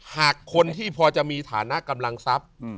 หากคนที่พอจะมีฐานะกำลังทรัพย์